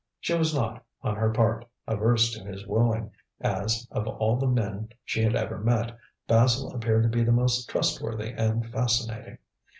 She was not, on her part, averse to his wooing, as, of all the men she had ever met, Basil appeared to be the most trustworthy and fascinating.